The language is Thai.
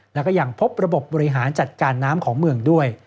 แล้วก็ยังพบระบบบบริหารจัดการน้ำของเมืองด้วย